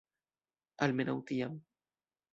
Almenaŭ tiam.